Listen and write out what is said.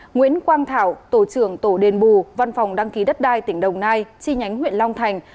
nguyễn quang thảo tổ trưởng tổ đền bù văn phòng đăng ký đất đai tỉnh đồng nai chi nhánh huyện long thành